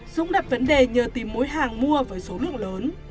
dũng đặt vấn đề nhờ tìm mối hàng mua với số lượng lớn